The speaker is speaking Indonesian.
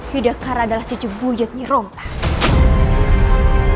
yudhakara adalah cucu buyut nyirom pang